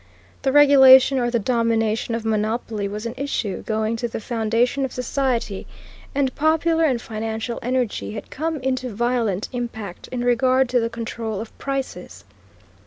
The regulation or the domination of monopoly was an issue going to the foundation of society, and popular and financial energy had come into violent impact in regard to the control of prices.